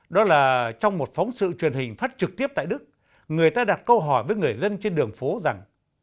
đó là trong một phóng sự truyền hình phát trực tiếp tại đức người ta đặt câu hỏi với người dân trên đường phố rằng